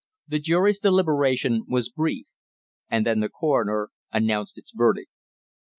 The jury's deliberation was brief and then the coroner announced its verdict.